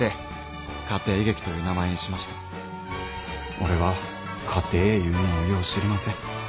俺は家庭いうもんをよう知りません。